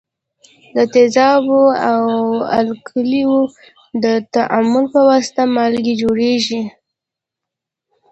د تیزابو او القلیو د تعامل په واسطه مالګې جوړیږي.